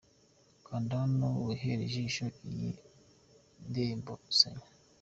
Kanda hano wihere ijisho iyi ndirimbo ‘Sanyu’.